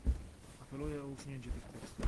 Apeluję o usunięcie tych tekstów